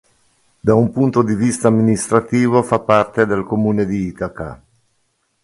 Da un punto di vista amministrativo fa parte del comune di Itaca.